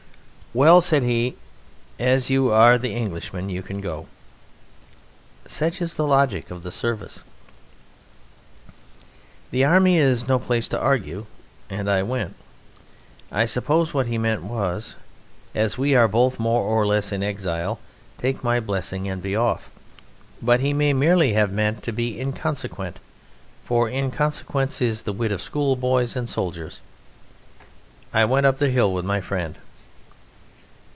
"Well," said he, "as you are the Englishman you can go." Such is the logic of the service. The army is no place to argue, and I went. I suppose what he meant was, "As we are both more or less in exile, take my blessing and be off," but he may merely have meant to be inconsequent, for inconsequence is the wit of schoolboys and soldiers. I went up the hill with my friend.